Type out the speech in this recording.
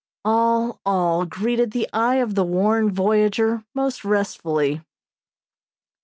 All, all, greeted the eye of the worn voyager most restfully.